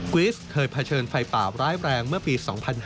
วิสเคยเผชิญไฟป่าร้ายแรงเมื่อปี๒๕๕๙